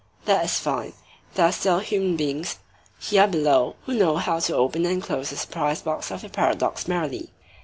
That is fine. There are still human beings here below who know how to open and close the surprise box of the paradox merrily.